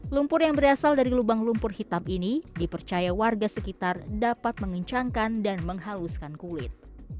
lumpur yang berasal dari lubang lumpur hitam ini dipercaya warga sekitar dapat mengencangkan dan menghaluskan kulit